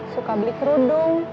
suka beli kerudung